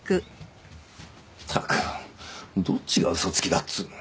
ったくどっちが嘘つきだっつうの。